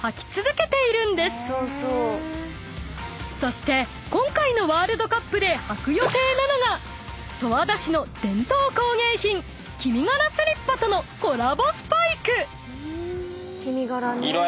［そして今回のワールドカップで履く予定なのが十和田市の伝統工芸品きみがらスリッパとのコラボスパイク］